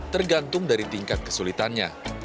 tergantung dari tingkat kesulitannya